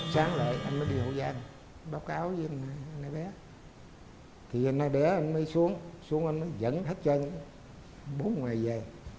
sáng lệ anh mới đi hậu giang báo cáo với anh bé thì anh nó đeo anh mới xuống xuống anh mới dẫn hết cho anh bốn ngày về